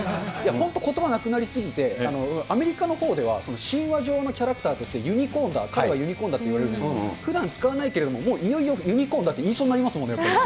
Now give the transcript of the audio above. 本当ことばなくなりすぎて、アメリカのほうでは神話上のキャラクターとしてユニコーンだ、彼はユニコーンだって言われるじゃないですか、ふだん使わないけれども、もういよいよユニコーンだって言いそうになりますもんね。